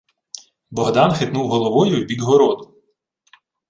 Богдан хитнув головою в бік городу.